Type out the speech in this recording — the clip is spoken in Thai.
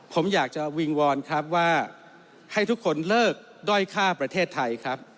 ผมอยากจะวิงวอนครับว่าให้ทุกคนเลิกด้อยค่าประเทศไทยครับ